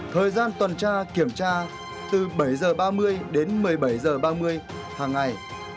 thời gian tuần tra kiểm tra từ bảy h ba mươi đến một mươi bảy h ba mươi hàng ngày